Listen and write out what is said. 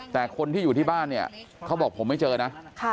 แต่คนที่อยู่ที่บ้านเนี่ยเขาบอกผมไม่เจอนะ